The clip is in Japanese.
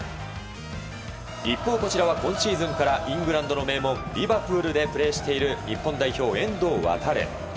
一方、こちらは今シーズンからイングランドの名門リバプールでプレーしている日本代表、遠藤航。